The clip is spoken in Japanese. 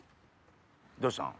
どうしたん？